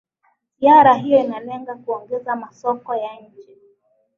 ziara hiyo inalenga kuongeza masoko ya nje